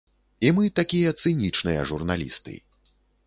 І мы такія цынічныя журналісты.